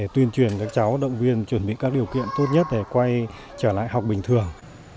tuyên truyền các cháu động viên chuẩn bị các điều kiện tốt nhất để quay trở lại học bình thường